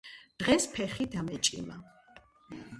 დღეს ფეხი დამეჭიმა